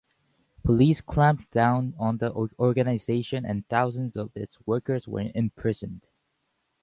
Police clamped down on the organisation and thousands of its workers were imprisoned.